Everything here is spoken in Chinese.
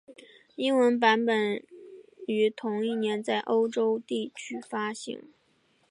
英文版本于同一年在欧洲地区发行。